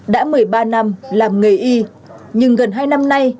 đã một mươi ba năm làm nghề y nhưng gần hai năm nay